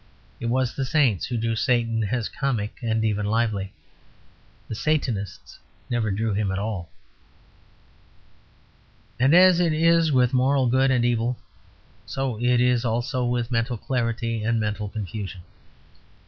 It was the saints who drew Satan as comic and even lively. The Satanists never drew him at all. And as it is with moral good and evil, so it is also with mental clarity and mental confusion.